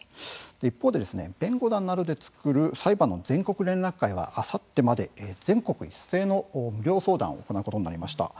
一方で弁護団などで作る裁判の全国連絡会はあさってまで全国一斉の無料相談を行うことになりました。